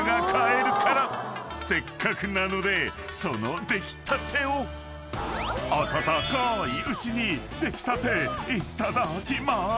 ［せっかくなのでその出来たてを］［温かーいうちに］いただきます。